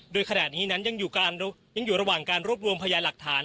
โดยขณะนี้นั้นยังอยู่ระหว่างการรวบรวมพยานหลักฐาน